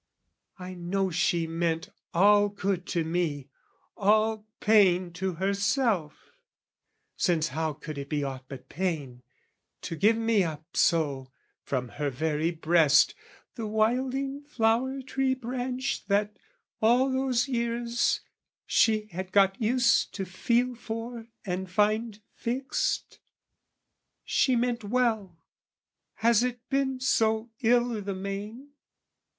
I know she meant all good to me, all pain To herself, since how could it be aught but pain, To give me up, so, from her very breast, The wilding flower tree branch that, all those years, She had got used to feel for and find fixed? She meant well: has it been so ill i' the main?